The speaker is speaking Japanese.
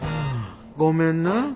ごめんな。